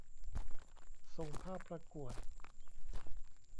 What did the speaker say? ส่งภาพประกวด